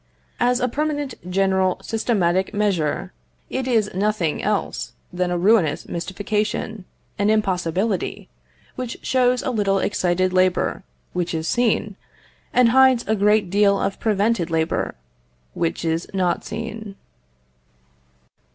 As a permanent, general, systematic measure, it is nothing else than a ruinous mystification, an impossibility, which shows a little excited labour which is seen, and hides a great deal of prevented labour which is not seen. VI.